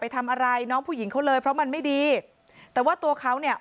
ทำอะไรน้องผู้หญิงเขาเลยเพราะมันไม่ดีแต่ว่าตัวเขาเนี่ย